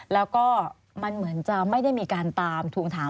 แล้วก็มันเหมือนจะไม่ได้มีการตามทวงถาม